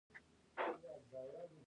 زردالو د افغان کلتور سره تړاو لري.